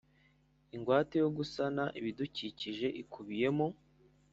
Ingwate yo gusana ibidukikije ikubiyemo